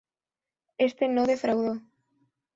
Éste no defraudó.